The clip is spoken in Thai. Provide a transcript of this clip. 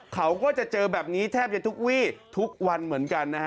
เขาก็จะเจอแบบนี้แทบจะทุกวี่ทุกวันเหมือนกันนะฮะ